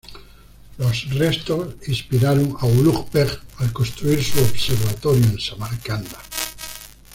Los restos inspiraron a Ulugh Beg al construir su observatorio en Samarcanda.